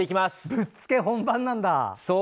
ぶっつけ本番なんだ！